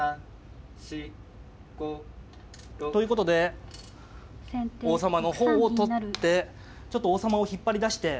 １２３４５。ということで王様の方を取ってちょっと王様を引っ張り出して。